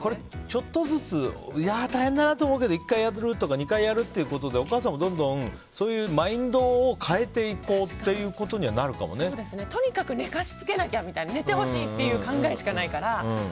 ちょっとずついやー、大変だなと思うけど１回やるとか２回やるということでお母さんもどんどんそういうマインドをとにかく寝かしつけなきゃ寝てほしいっていう考えしかないから。